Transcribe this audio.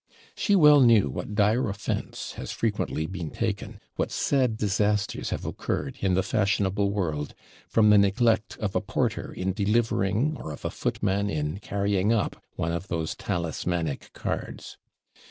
She well knew what dire offence has frequently been taken, what sad disasters have occurred, in the fashionable world, from the neglect of a porter in delivering, or of a footman in carrying up one of those talismanic cards.